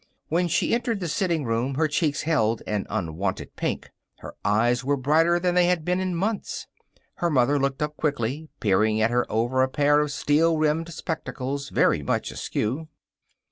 When she entered the sitting room her cheeks held an unwonted pink. Her eyes were brighter than they had been in months. Her mother looked up quickly, peering at her over a pair of steel rimmed spectacles, very much askew.